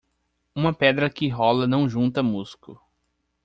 Uma pedra que rola não junta musgo